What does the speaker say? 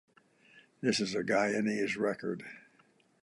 This is the Guyanese record.